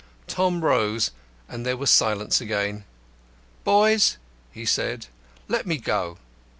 Tom rose, and there was silence again. "Boys," he said, "let me go.